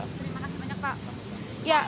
terima kasih banyak pak